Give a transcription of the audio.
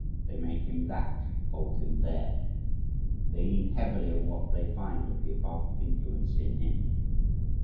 They make him THAT, hold him THERE. They lean heavily on what they find of the above influence in him.